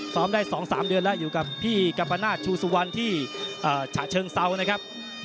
ซ้อมได้๒๓เดือนแล้วอยู่กับพี่กัมพนาศชูซุวันที่ชะเชิงเศร้านะครับ